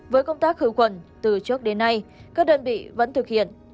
với công tác khử khuẩn từ trước đến nay các đơn vị vẫn thực hiện